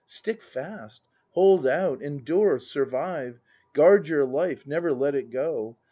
Stick fast; hold out; endure; survive! Guard your life! Never let it go!